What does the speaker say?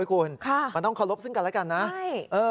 คุณต้องเคารบซึ่งกันแล้วกันนะ